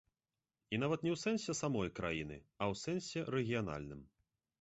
І нават не ў сэнсе самой краіны, а ў сэнсе рэгіянальным.